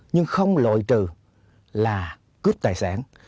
nhưng không lội trừ là cướp tài sản